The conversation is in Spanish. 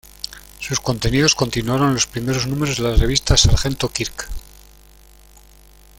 Sus contenidos continuaron en los primeros números de la revista Sargento Kirk.